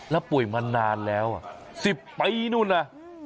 แล้วป่วยมานานแล้ว๑๐ปีนู่นน่ะ